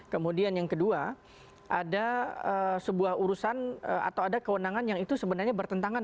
kemudian yang kedua ada sebuah urusan atau ada kewenangan yang itu sebenarnya bertentangan